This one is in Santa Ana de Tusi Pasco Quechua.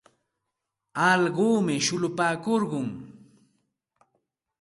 Allquumi shullupaakush.